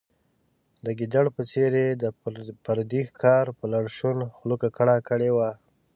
د ګیدړ په څېر یې د پردي ښکار په لړشونو خوله ککړه کړې وه.